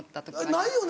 ないよね？